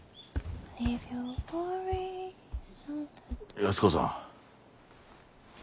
安子さん。